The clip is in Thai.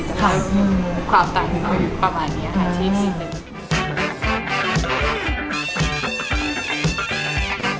แต่ความต่างประมาณนี้ค่ะที่สิ่งเป็น